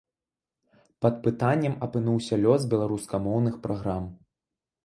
Пад пытаннем апынуўся лёс беларускамоўных праграм.